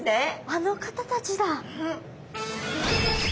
あの方たちだ。